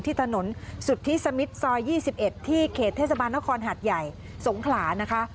ที่ถนนสุธิสมิทซอย๒๑ที่เขตเทศบาลนครหัดใหญ่สงขลานะคะ